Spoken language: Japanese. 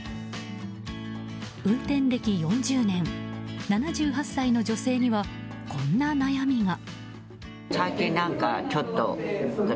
運転歴４０年、７８歳の女性にはこんな悩みが。